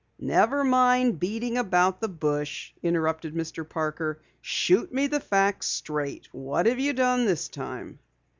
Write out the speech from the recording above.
"Never mind beating about the bush," interrupted Mr. Parker. "Shoot me the facts straight. What have you done this time?"